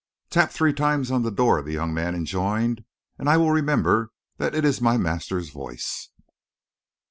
"Tap three times on the door," the young man enjoined, "and I will remember that it is my master's voice."